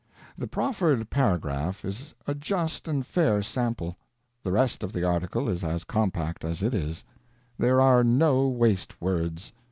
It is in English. The proffered paragraph is a just and fair sample; the rest of the article is as compact as it is; there are no waste words.